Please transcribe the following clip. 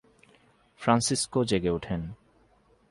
Francisco জেগে উঠেন।